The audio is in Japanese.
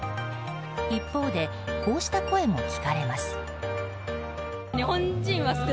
一方でこうした声も聞かれます。